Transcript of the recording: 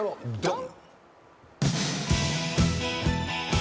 ドン！